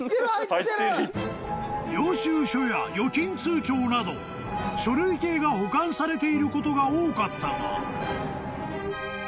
［領収書や預金通帳など書類系が保管されていることが多かったが］